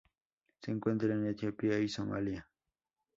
Se encuentra en Etiopía y Somalia.